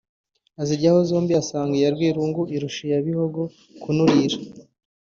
Aziryaho zombi asanga iya Rwirungu irusha iya Bihogo kunurira